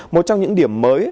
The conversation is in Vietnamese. một trong những điểm mới